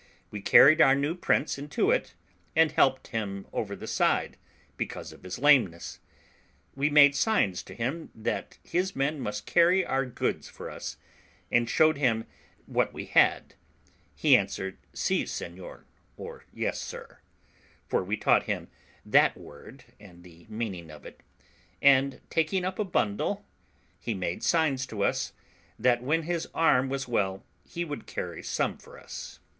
We carried our new prince into it, and helped him over the side, because of his lameness. We made signs to him that his men must carry our goods for us, and showed him what we had; he answered, "Si, Seignior," or, "Yes, sir" (for we had taught him that word and the meaning of it), and taking up a bundle, he made signs to us, that when his arm was well he would carry some for us.